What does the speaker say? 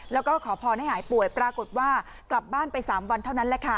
แล้วก็ขอพรให้หายป่วยปรากฏว่ากลับบ้านไป๓วันเท่านั้นแหละค่ะ